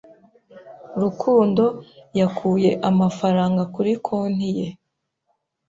Rukundo yakuye amafaranga kuri konti ye.